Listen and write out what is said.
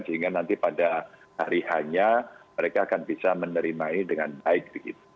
sehingga nanti pada hari hanya mereka akan bisa menerimai dengan baik begitu